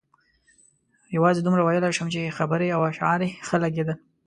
یوازې دومره ویلای شم چې خبرې او اشعار یې ښه لګېدل.